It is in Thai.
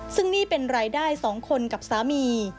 ซึ่งนี่เป็นรายได้๒คนกับสามี